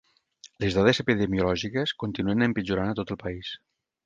Les dades epidemiològiques continuen empitjorant a tot el país.